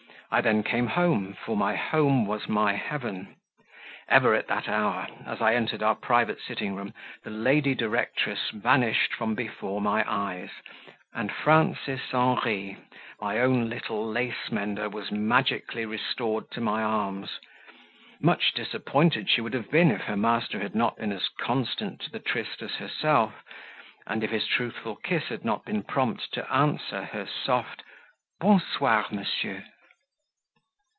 I then came home, for my home was my heaven; ever at that hour, as I entered our private sitting room, the lady directress vanished from before my eyes, and Frances Henri, my own little lace mender, was magically restored to my arms; much disappointed she would have been if her master had not been as constant to the tryst as herself, and if his truthfull kiss had not been prompt to answer her soft, "Bon soir, monsieur."